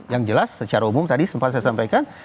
yang jelas secara umum tadi sempat saya sampaikan